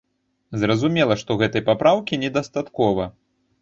Зразумела, што гэтай папраўкі недастаткова.